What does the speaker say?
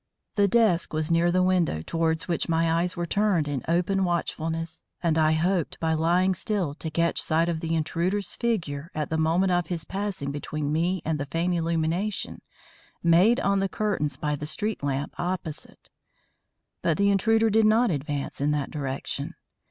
The desk was near the window towards which my eyes were turned in open watchfulness, and I hoped by lying still to catch sight of the intruder's figure at the moment of his passing between me and the faint illumination made on the curtains by the street lamp opposite. But the intruder did not advance in that direction.